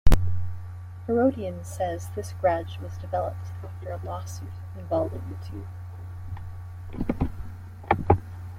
Herodian says this grudge was developed after a lawsuit involving the two.